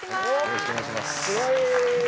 すごい。